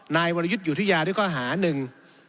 นายวรยุทธิวทุยาด้วยก้อหาหนึ่ง